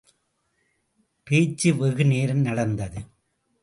பேச்சு வெகு நேரம் நடந்தது.